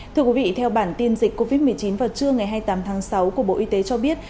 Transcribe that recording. thưa quý vị theo bản tin dịch covid một mươi chín vào trưa ngày hai mươi tám tháng sáu của bộ y tế cho biết